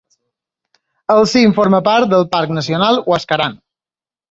El cim forma part del Parc Nacional Huascarán.